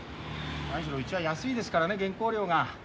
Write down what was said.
何しろうちは安いですからね原稿料が。